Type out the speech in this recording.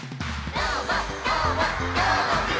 「どーもどーもどーもくん！」